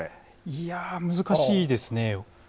いやー、難しいですね。